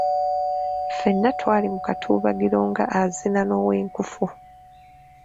Ffenna twali mu katuubagiro nga azina n'ow'enkufu.